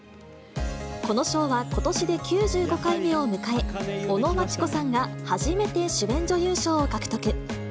この賞はことしで９５回目を迎え、尾野真千子さんが初めて主演女優賞を獲得。